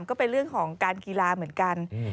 ก็เป็นเรื่องของการกีฬาเหมือนกัน